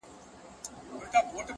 خداى دي زما د ژوندون ساز جوړ كه’